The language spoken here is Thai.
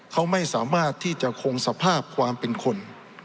เขาไม่สามารถที่จะคงสภาพความเป็นคน